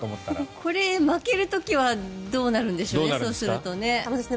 これ、負ける時はどうなるんでしょうね